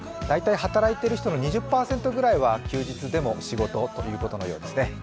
大体働いている人の２０％ぐらいは休日でも仕事ということのようですね。